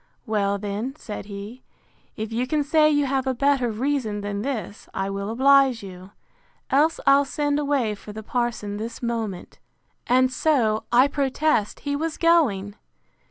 Well, then, said he, if you can say you have a better reason than this, I will oblige you; else I'll send away for the parson this moment. And so, I protest, he was going!